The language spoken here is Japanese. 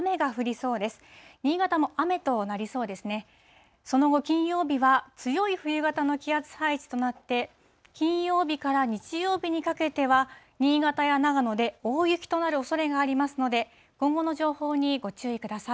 その後、金曜日は強い冬型の気圧配置となって、金曜日から日曜日にかけては、新潟や長野で大雪となるおそれがありますので、今後の情報にご注意ください。